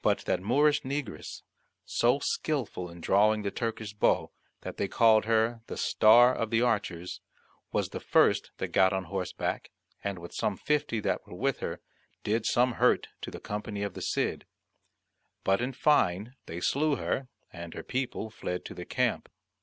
But that Moorish Negress, so skilful in drawing the Turkish bow, that they called her the Star of the Archers, was the first that got on horseback, and with some fifty that were with her, did some hurt to the company of the Cid; but in fine they slew her, and her people fled to the camp.